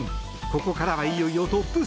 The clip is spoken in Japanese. ここからはいよいよトップ３。